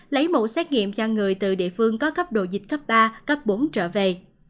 lấy mẫu xét nghiệm cho người từ địa phương có cấp độ dịch cấp ba cấp bốn trở về